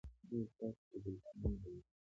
ایا ستاسو شاګردان نوم لری؟